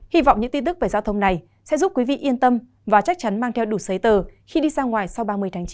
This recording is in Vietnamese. hy vọng những tin tức về giao thông này sẽ giúp quý vị yên tâm và chắc chắn mang theo đủ giấy tờ khi đi ra ngoài sau ba mươi tháng chín